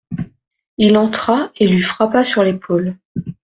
Il entra et lui frappa sur l'épaule.